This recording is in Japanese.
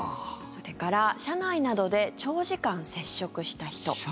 それから、車内などで長時間接触した人。